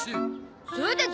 そうだゾ。